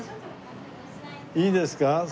いいですか？